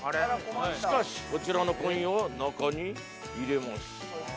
しかしこちらのコインを中に入れます。